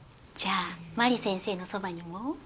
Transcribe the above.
じゃあマリ先生のそばにも？